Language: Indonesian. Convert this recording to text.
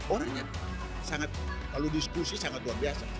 orangnya sangat kalau diskusi sangat luar biasa